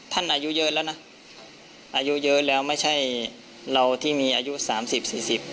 อายุเยอะแล้วนะอายุเยอะแล้วไม่ใช่เราที่มีอายุสามสิบสี่สิบ